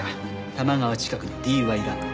「多摩川近くのＤＹランド」